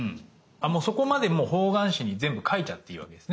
そこまでもう方眼紙に全部描いちゃっていいわけですね？